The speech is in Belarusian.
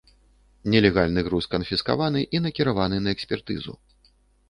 Нелегальны груз канфіскаваны і накіраваны на экспертызу.